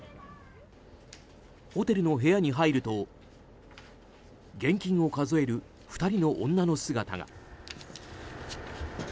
ホテルの部屋に入ると現金を数える２人の女の姿が。